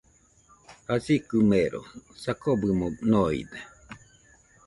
Jasikɨ mero , sakɨbɨmo noide.